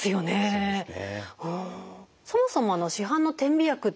そうですね